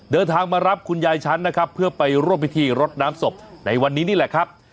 เดินทางมารับคุณยายชั้นนะครับเพื่อไปร่วมพิธีรดน้ำศพในวันนี้นี่แหละครับ